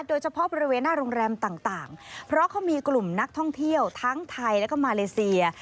โดยเฉพาะบริเวณหน้าโรงแรมต่างเพราะเขามีกลุ่มนักท่องเที่ยวทั้งไทยแล้วก็มาเลเซีย